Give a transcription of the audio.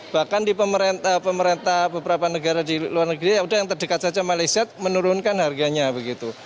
bahkan di pemerintah beberapa negara di luar negeri ya sudah yang terdekat saja malaysia menurunkan harganya begitu